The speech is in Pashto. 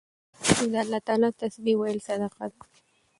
نو د الله تعالی تسبيح ويل صدقه ده